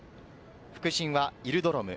副審はイルドロム。